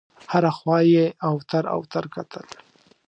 هره خوا یې اوتر اوتر کتل.